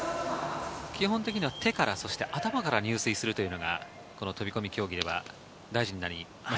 基本的には手から頭から入水するのがこの飛び込み競技では大事になります。